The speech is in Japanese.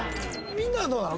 みんなはどうなの？